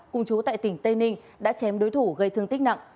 cùng chú tại tỉnh tây ninh đã chém đối thủ gây thương tích nặng